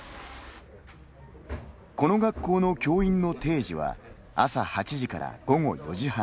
この学校の教員の定時は朝８時から午後４時半。